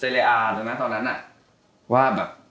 ตอนนั้นอะว่าแบบ